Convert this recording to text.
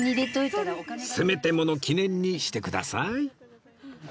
せめてもの記念にしてください